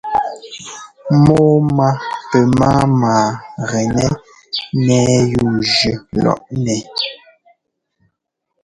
Mɔ́ɔmá pɛ máama gɛnɛ́ ńnɛ́ɛ yúujʉ́ lɔꞌnɛ.